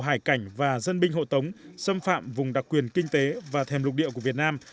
hải cảnh và dân binh hộ tống xâm phạm vùng đặc quyền kinh tế và thèm lục địa của việt nam